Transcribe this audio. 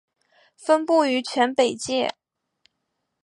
分布于全北界。